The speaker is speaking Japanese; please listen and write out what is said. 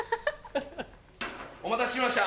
お待たせしました。